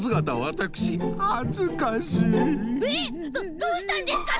どどうしたんですか？